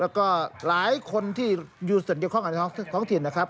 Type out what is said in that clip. แล้วก็หลายคนที่อยู่ส่วนเกี่ยวข้องกับท้องถิ่นนะครับ